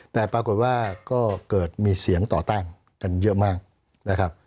แต่ปรากฏว่าก็เกิดมีเสียงต่อต้านกันเยอะมากนะครับ